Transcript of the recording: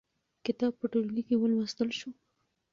کتاب په ټولګي کې ولوستل شو.